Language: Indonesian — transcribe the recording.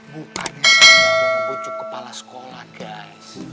bukanya aku bujuk kepala sekolah guys